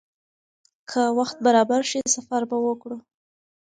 که وخت برابر شي، سفر به وکړو.